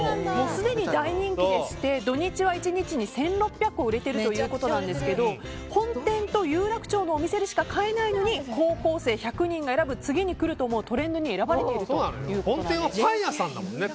すでに大人気でして土日は１日で１６００個売れているということですが本店と有楽町のお店でしか買えないのに高校生１００人が選ぶ次にくるトレンドに本店はパン屋さんなんだもんね。